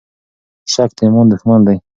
شک د ایمان دښمن دی.